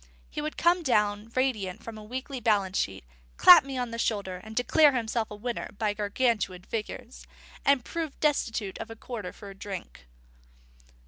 And he would come down radiant from a weekly balance sheet, clap me on the shoulder, declare himself a winner by Gargantuan figures, and prove destitute of a quarter for a drink.